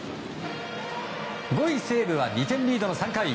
５位、西武は２点リードの３回。